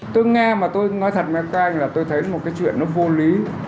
tôi nghe mà tôi nói thật với các anh là tôi thấy một cái chuyện nó vô lý